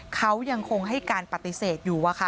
เขายังคงให้การปฏิเสธอยู่